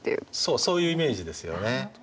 そういうイメージですよね。